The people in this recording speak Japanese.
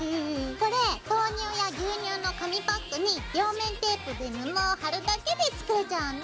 これ豆乳や牛乳の紙パックに両面テープで布を貼るだけで作れちゃうんだ。